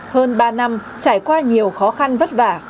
hơn ba năm trải qua nhiều khó khăn vất vả